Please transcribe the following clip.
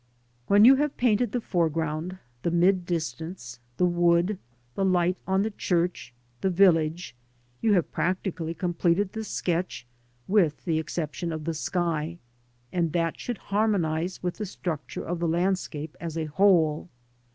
When you have painted the foreground, the mid distance, the wood, the light on the church, the village, you have practically completed the sketch with the exception of the sky, a nd that should harmonise with the structure of the landscape as a whole.